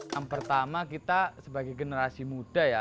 yang pertama kita sebagai generasi muda ya